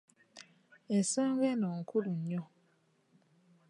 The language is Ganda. Ensonga eno nkulu nnyo.